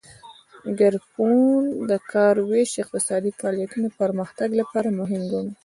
ګزنفون د کار ویش د اقتصادي فعالیتونو پرمختګ لپاره مهم ګڼلو